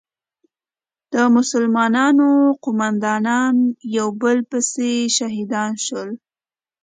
د مسلمانانو قومندانان یو په بل پسې شهیدان شول.